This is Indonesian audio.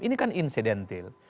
ini kan incidental